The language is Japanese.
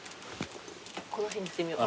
この辺いってみよう。